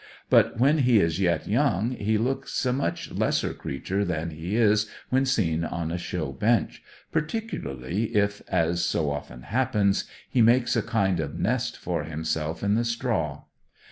But when he is yet young he looks a much lesser creature than he is when seen on a show bench, particularly if, as so often happens, he makes a kind of nest for himself in the straw.